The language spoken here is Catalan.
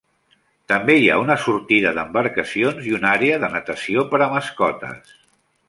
També hi ha una sortida d'embarcacions i un àrea de natació per a mascotes.